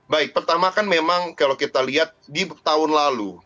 baik pertama kan memang kalau kita lihat di tahun lalu